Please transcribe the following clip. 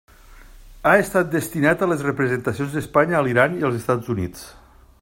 Ha estat destinat a les representacions d'Espanya a l'Iran i els Estats Units.